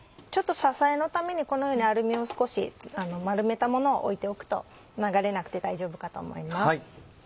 ちょっと支えのためにこのようにアルミを少し丸めたものを置いておくと流れなくて大丈夫かと思います。